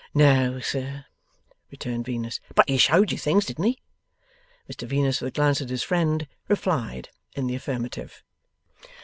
'No, sir,' returned Venus. 'But he showed you things; didn't he?' Mr Venus, with a glance at his friend, replied in the affirmative.